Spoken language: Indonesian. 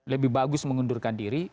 lebih bagus mengundurkan diri